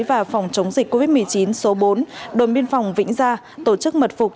và phòng chống dịch covid một mươi chín số bốn đồn biên phòng vĩnh gia tổ chức mật phục